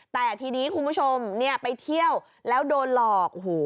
แต่ทีนี้คุณผู้ชมไปเที่ยวแล้วโดนหลอก